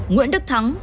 nguyễn đức thắng